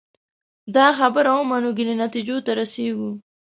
دا خبره ومنو ګڼو نتیجو ته رسېږو